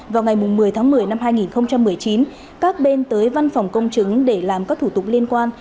vào ngày một mươi tháng một mươi năm hai nghìn một mươi chín các bên tới văn phòng công chứng để làm các thủ tục liên quan